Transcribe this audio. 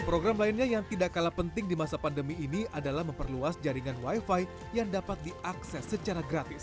program lainnya yang tidak kalah penting di masa pandemi ini adalah memperluas jaringan wifi yang dapat diakses secara gratis